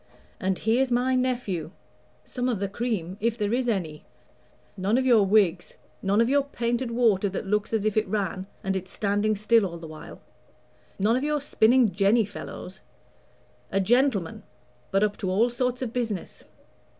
And here's my nephew some of the cream, if there is any: none of your Whigs, none of your painted water that looks as if it ran, and it's standing still all the while; none of your spinning jenny fellows. A gentleman; but up to all sorts of business.